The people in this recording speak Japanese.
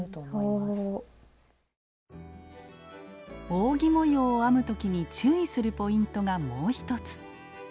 扇模様を編む時に注意するポイントがもう一つ。